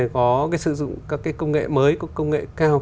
có cái sử dụng các cái công nghệ mới có công nghệ cao